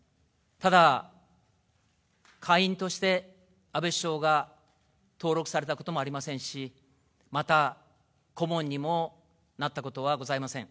ただ、会員として安倍首相が登録されたこともありませんし、また、顧問にもなったことはございません。